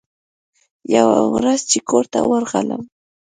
يوه ورځ چې کور ته ورغلم.